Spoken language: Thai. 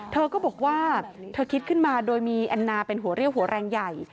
เธอก็บอกว่าเธอคิดขึ้นมาโดยมีแอนนาเป็นหัวเรี่ยวหัวแรงใหญ่